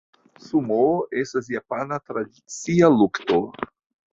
Sumoo estas japana tradicia lukto.